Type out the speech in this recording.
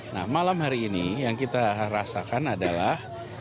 nah malam hari ini yang kita rasakan adalah